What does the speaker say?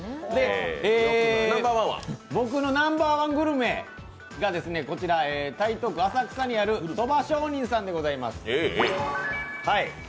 僕のナンバーワングルメは台東区浅草にある蕎上人さんでございます。